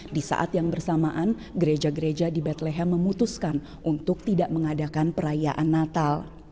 di saat yang bersamaan gereja gereja di batleha memutuskan untuk tidak mengadakan perayaan natal